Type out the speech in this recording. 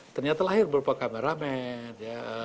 ternyata lahir beberapa kameramen